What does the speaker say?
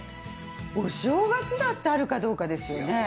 お正月だってあるかどうかですよね。